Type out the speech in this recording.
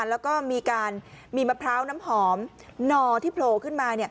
แล้วก็มีการมีมะพร้าวน้ำหอมนอที่โผล่ขึ้นมา